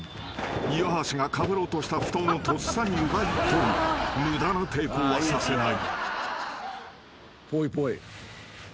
岩橋がかぶろうとした布団をとっさに奪い取り無駄な抵抗はさせない］